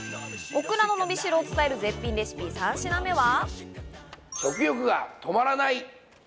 オクラののびしろを伝える絶品レシピ３品目は。